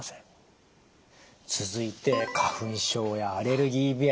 続いて花粉症やアレルギー鼻炎。